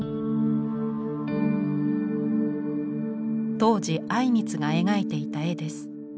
当時靉光が描いていた絵です。